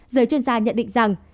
giới chuyên gia nhận định rằng